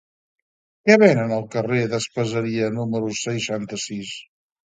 Què venen al carrer d'Espaseria número seixanta-sis?